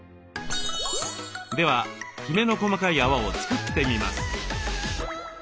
ではきめの細かい泡を作ってみます。